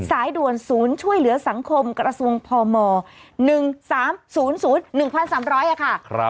สายด่วนศูนย์ช่วยเหลือสังคมกระทรวงพม๑๓๐๐๑๓๐๐ค่ะ